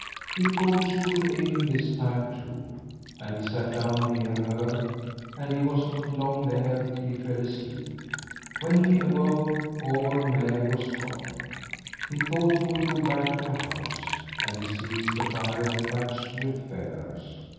He thought she would aid him this time, too, and he sat down near her, and he was not long there till he fell asleep. When he awoke, Auburn Mary was gone. He thought he would go back to the house, and he sees the byre thatched with feathers.